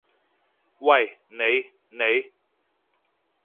喂，你！你！